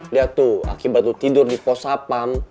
liat tuh akibat lu tidur di posapam